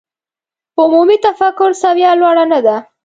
عمومي تفکر سویه لوړه نه ده.